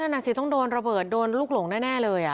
น่ะสิต้องโดนระเบิดโดนลูกหลงแน่เลย